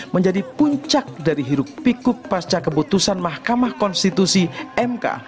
menjadi puncak dari hiruk pikuk pasca keputusan mahkamah konstitusi mk